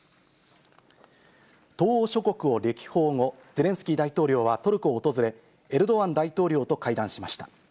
東欧諸国を歴訪後、ゼレンスキー大統領はトルコを訪れ、エルドアン大統領と会談しました。